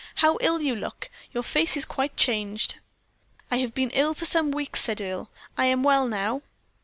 "How ill you look your face is quite changed." "I have been ill for some weeks," said Earle. "I am well now."